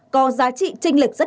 có giá trị trinh lịch sử dụng